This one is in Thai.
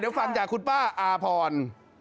เดี๋ยวฟังจากคุณป้าอาพร